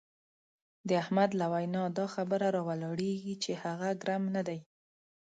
د احمد له وینا دا خبره را ولاړېږي چې هغه ګرم نه دی.